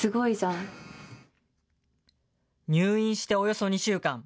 入院しておよそ２週間。